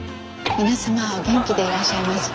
皆様お元気でいらっしゃいますか？